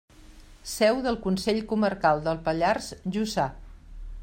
Seu del Consell Comarcal del Pallars Jussà.